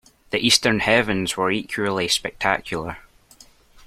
The eastern heavens were equally spectacular.